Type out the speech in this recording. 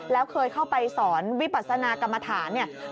แล้วเคยเข้าไปสอนวิปัสนากรรมฐานเนี่ย